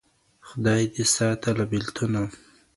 خداى دي ساته له بېـلتونه